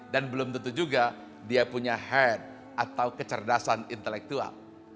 dan belum tentu juga dia punya head atau kecerdasan intelektual